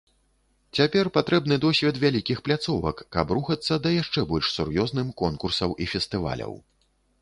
Цяпер патрэбны досвед вялікіх пляцовак, каб рухацца да яшчэ больш сур'ёзным конкурсаў і фестываляў.